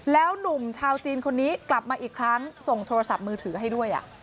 แล้วหนุ่มชาวจีนคนนี้กลับมาอีกครั้งส่งโทรศัพท์มือถือให้ด้วย